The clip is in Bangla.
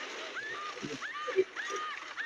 এখন বলুন তারিখটা এত জরুরি কেন?